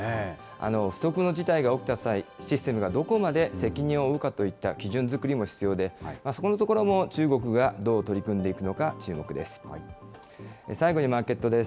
不測の事態が起きた際、システムがどこまで責任を負うかといった基準作りも必要で、そこのところも中国がどう取り組んでいくのか、注目です。